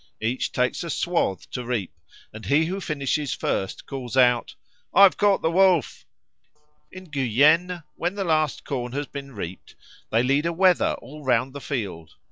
Each takes a swath to reap, and he who finishes first calls out, "I've caught the Wolf." In Guyenne, when the last corn has been reaped, they lead a wether all round the field.